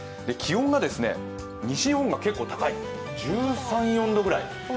気温が西日本が結構高い、１３１４度ぐらい。